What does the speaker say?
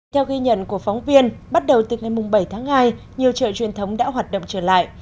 theo ghi nhận của phóng viên bắt đầu từ ngày bảy tháng hai nhiều chợ truyền thống đã hoạt động trở lại